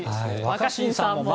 若新さんも。